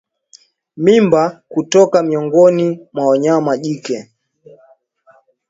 Mimba kutoka miongoni mwa wanyama jike